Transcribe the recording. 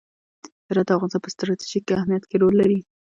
هرات د افغانستان په ستراتیژیک اهمیت کې رول لري.